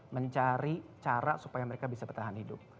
mencari cara supaya mereka bisa bertahan hidup